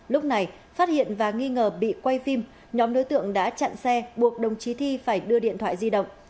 lúc này phát hiện và nghi ngờ bị quay phim nhóm đối tượng đã chặn xe buộc đồng chí thi phải đưa điện thoại di động